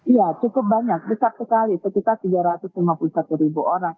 iya cukup banyak besar sekali ketika tiga ratus lima puluh satu ribu orang